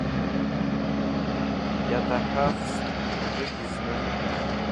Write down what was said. Йатахӏвахстӏ ужвыгьи зны.